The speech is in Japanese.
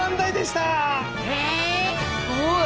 すごい！